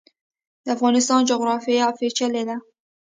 د افغانستان جغرافیا پیچلې ده